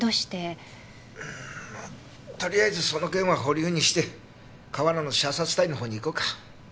とりあえずその件は保留にして河原の射殺体の方にいこうか。